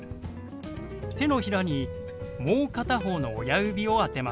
手のひらにもう片方の親指を当てます。